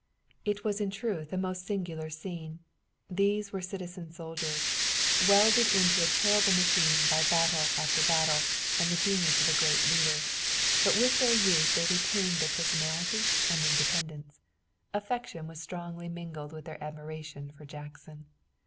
It was in truth a most singular scene. These were citizen soldiers, welded into a terrible machine by battle after battle and the genius of a great leader, but with their youth they retained their personality and independence. Affection was strongly mingled with their admiration for Jackson.